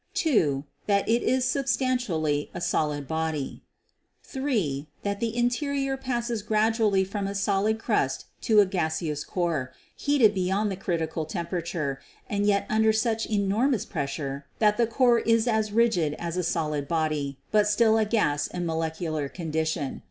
(2) That it is substantially a solid body. (3) That the interior passes gradually from a solid crust to a gaseous core, heated beyond the critical temperature and yet under such enormous pressure that the core is as rigid as a solid body, but still a gas in molecular condition.